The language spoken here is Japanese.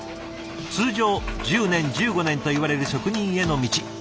通常１０年１５年といわれる職人への道。